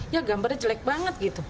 ya gambarnya jelek banget gitu